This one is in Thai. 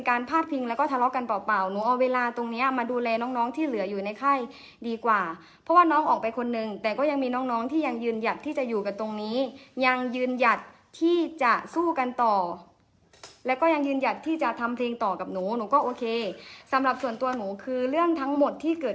พาดพิงแล้วก็ทะเลาะกันเปล่าหนูเอาเวลาตรงเนี้ยมาดูแลน้องน้องที่เหลืออยู่ในไข้ดีกว่าเพราะว่าน้องออกไปคนนึงแต่ก็ยังมีน้องน้องที่ยังยืนหยัดที่จะอยู่กันตรงนี้ยังยืนหยัดที่จะสู้กันต่อแล้วก็ยังยืนหยัดที่จะทำเพลงต่อกับหนูหนูก็โอเคสำหรับส่วนตัวหนูคือเรื่องทั้งหมดที่เกิด